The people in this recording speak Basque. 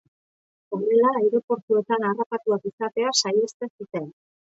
Horrela, aireportuetan harrapatuak izatea saihesten zuten.